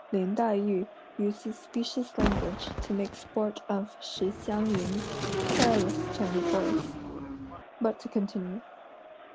Lin Tai yü uses specious language to make sport of Shih Hsiang yün's querulous tone of voice. But to continue.